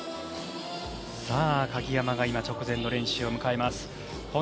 鍵山が今直前練習を迎えます。